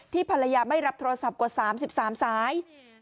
ภรรยาไม่รับโทรศัพท์กว่า๓๓สาย